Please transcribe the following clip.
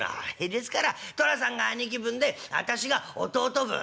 「ですから寅さんが兄貴分であたしが弟分」。